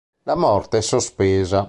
La morte sospesa